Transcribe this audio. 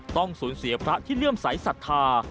ต้องสูญเสียพระที่เลื่อมใสสัทธา